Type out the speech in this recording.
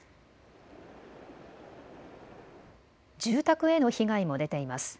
住宅への被害も出ています。